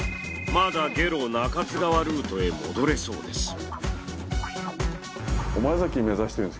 まだ下呂中津川ルートへ戻れそうです。